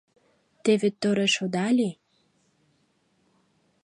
Те вет тореш ода лий?